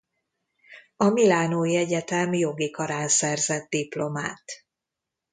A Milánói Egyetem jogi karán szerzett diplomát.